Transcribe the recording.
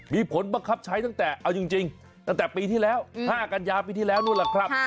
มีผลบังคับใช้ตั้งแต่เอาจริงตั้งแต่ปีที่แล้ว๕กันยาปีที่แล้วนู่นล่ะครับ